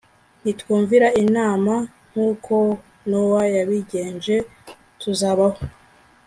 nitwumvira imana nk uko nowa yabigenje tuzabaho